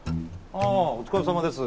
ああお疲れさまです